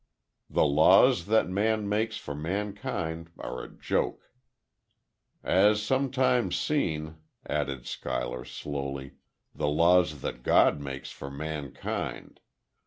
"The laws that man makes for mankind are a joke." "As sometimes seem," added Schuyler, slowly, "the laws that God makes for mankind....